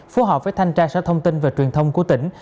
phối hợp với thanh tra sở thông tin và truyền thông của tỉnh